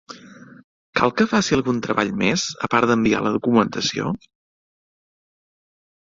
Cal que faci algun treball més, a part d'enviar la documentació?